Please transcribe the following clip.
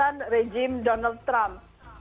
yang terjadi oleh donald trump